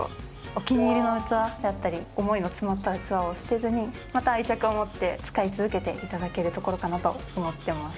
お気に入りの器であったり思いの詰まった器を捨てずにまた愛着を持って使い続けていただけるところかなと思ってます。